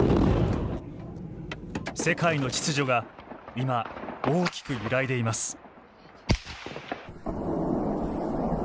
世界の秩序が今、大きく揺らいでいます。